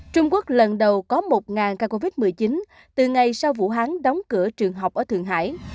trung quốc lần đầu có một ca covid một mươi chín từ ngày sau vũ hán đóng cửa trường học ở thượng hải